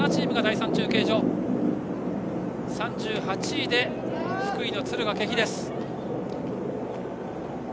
３８位で福井の敦賀気比。